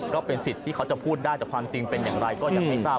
ก็เป็นสิทธิ์ที่เขาจะพูดได้แต่ความจริงเป็นอย่างไรก็ยังไม่ทราบ